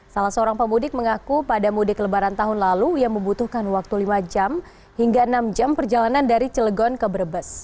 salah seorang pemudik mengaku pada mudik lebaran tahun lalu ia membutuhkan waktu lima jam hingga enam jam perjalanan dari cilegon ke brebes